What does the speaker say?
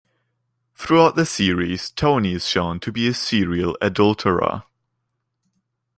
Throughout the series Tony is shown to be a serial adulterer.